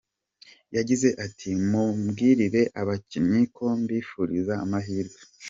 Yagize ati “Mumbwirire abakinnyi ko mbifuriza amahirwe.